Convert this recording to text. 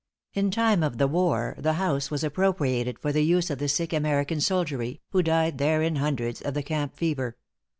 In time of the war, the house was appropriated for the use of the sick American soldiery, who died there in hundreds, of the camp fever.